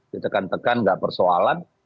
ditekan tekan gak persoalan